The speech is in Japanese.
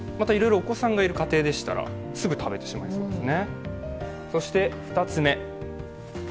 お子さんがいる家庭でしたら、すぐ食べてしまうかもしれませんよね。